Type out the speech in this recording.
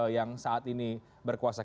yang saat ini berkuasa